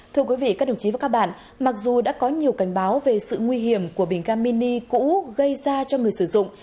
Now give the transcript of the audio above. thưa quý vị các đồng chí và các bạn mặc dù đã có nhiều cảnh báo về sự nguy hiểm của bình ga mini cũ gây ra cho người sử dụng